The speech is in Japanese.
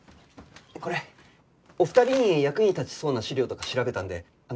これお二人に役に立ちそうな資料とか調べたんで。